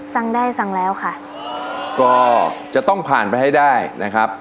สั่งได้สั่งแล้วค่ะก็จะต้องผ่านไปให้ได้นะครับ